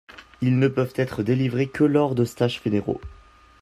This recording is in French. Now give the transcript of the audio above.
Ils ne peuvent être délivrés que lors de stages fédéraux.